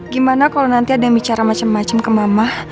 gimana kalau nanti ada yang bicara macam macam ke mama